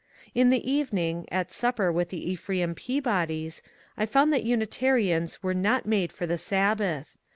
In the evening, at supper with the Ephraim Peabodys, I found that Unitarians were not made for the sabbath.